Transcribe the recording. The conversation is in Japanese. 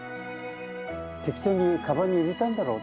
適当にかばんに入れたんだろうね。